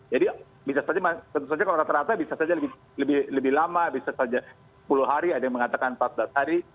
jadi bisa saja kalau rata rata bisa saja lebih lama bisa saja sepuluh hari ada yang mengatakan empat belas hari